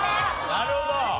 なるほど。